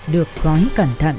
được gói cẩn thận